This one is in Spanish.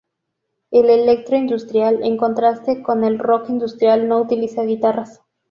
El electro-industrial en contraste con el rock industrial no utiliza guitarras.